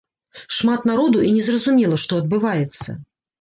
Шмат народу і незразумела, што адбываецца.